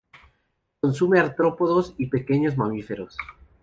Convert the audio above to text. Consume artrópodos y pequeños mamíferos.